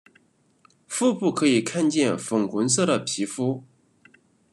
腹部可以看见粉红色的皮肤。